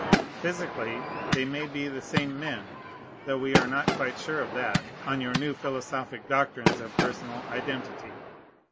Physically they may be the same men, though we are not quite sure of that, on your new philosophic doctrines of personal identity.